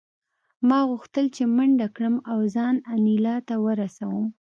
ما غوښتل چې منډه کړم او ځان انیلا ته ورسوم